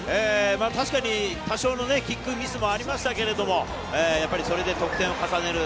多少のキックミスもありましたけど、それで得点を重ねる。